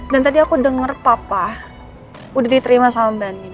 dan tadi aku denger papa udah diterima sama mbak anin